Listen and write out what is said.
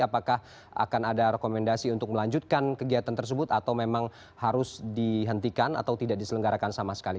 apakah akan ada rekomendasi untuk melanjutkan kegiatan tersebut atau memang harus dihentikan atau tidak diselenggarakan sama sekali